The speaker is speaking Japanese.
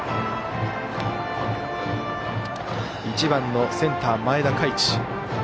１番のセンター、前田凱地。